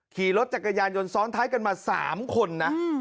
ขี่รถจักรยานยนต์ซ้อนท้ายกันมา๓คนนะ